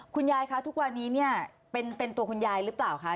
คุณยายคะทุกวันนี้เนี่ยเป็นตัวคุณยายหรือเปล่าคะ